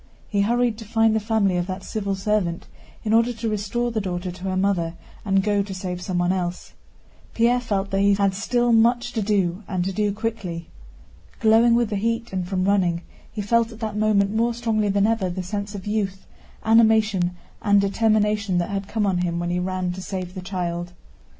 He hurried to find the family of that civil servant in order to restore the daughter to her mother and go to save someone else. Pierre felt that he had still much to do and to do quickly. Glowing with the heat and from running, he felt at that moment more strongly than ever the sense of youth, animation, and determination that had come on him when he ran to save the child.